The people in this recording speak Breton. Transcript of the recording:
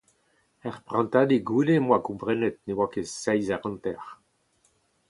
Ur prantadig goude em boa komprenet... Ne oa ket seizh eur hanter.